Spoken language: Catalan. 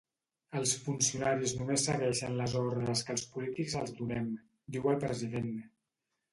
Els funcionaris només segueixen les ordres que els polítics els donem, diu el president.